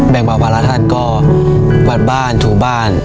เบาภาระท่านก็วัดบ้านถูบ้าน